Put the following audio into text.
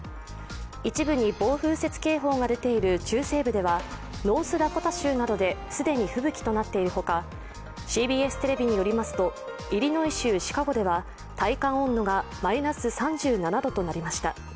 一部に暴風雪警報が出ている中西部ではノースダコタ州などで既に吹雪となっているほかＣＢＳテレビによりますと、イリノイ州シカゴでは体感温度がマイナス３７度となりました。